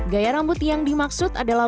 gaya rambut yang dimaksud adalah